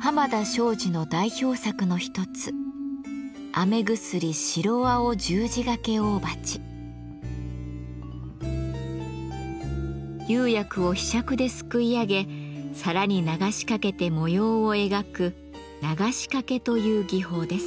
濱田庄司の代表作の一つ釉薬をひしゃくですくい上げ皿に流しかけて模様を描く流しかけという技法です。